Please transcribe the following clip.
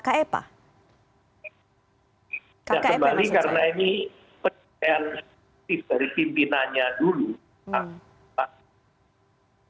tidak kembali karena ini pertanyaan dari pimpinannya dulu